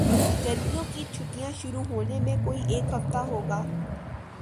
گرمیوں کی چھٹیاں شروع ہونے میں کوئی ایک ہفتہ ہو گا